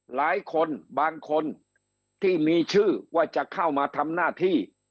หลายคนบางคนที่มีชื่อว่าจะเข้ามาทำหน้าที่